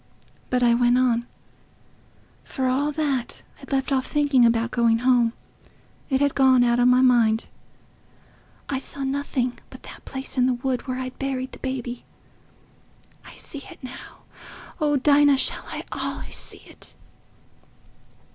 But I went on, for all that. I'd left off thinking about going home—it had gone out o' my mind. I saw nothing but that place in the wood where I'd buried the baby... I see it now. Oh Dinah! shall I allays see it?"